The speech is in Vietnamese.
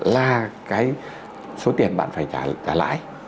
là cái số tiền bạn phải trả lãi